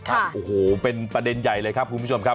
โอ้โหเป็นประเด็นใหญ่เลยครับคุณผู้ชมครับ